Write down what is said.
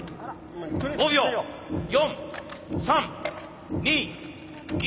５秒４３２１。